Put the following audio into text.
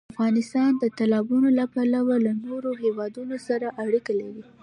افغانستان د تالابونه له پلوه له نورو هېوادونو سره اړیکې لري.